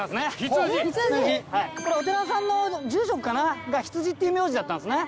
お寺さんの住職が羊っていう名字だったんですね。